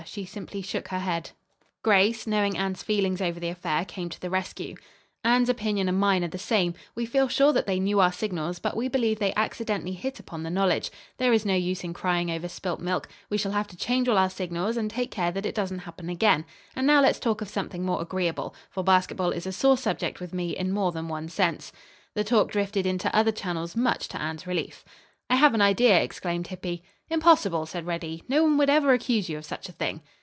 She simply shook her head. Grace, knowing Anne's feelings over the affair, came to the rescue. "Anne's opinion and mine are the same. We feel sure that they knew our signals, but we believe they accidentally hit upon the knowledge. There is no use in crying over spilt milk. We shall have to change all our signals and take care that it doesn't happen again. And now let's talk of something more agreeable, for basketball is a sore subject with me in more than one sense." The talk drifted into other channels much to Anne's relief. "I have an idea!" exclaimed Hippy. "Impossible," said Reddy. "No one would ever accuse you of such a thing."